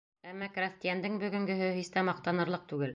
Әммә крәҫтиәндең бөгөнгөһө һис тә маҡтанырлыҡ түгел